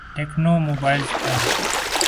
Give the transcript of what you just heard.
techno mobiles come